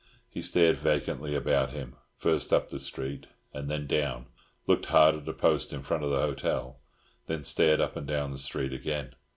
He stared vacantly about him, first up the street and then down, looked hard at a post in front of the hotel, then stared up and down the street again.